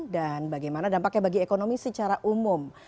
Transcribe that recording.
dan bagaimana dampaknya bagi ekonomi secara umum